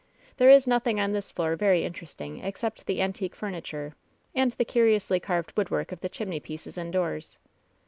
There is nothing on this floor very interesting except the antique furniture and the curiously carved woodwork of the chinmey pieces and doors."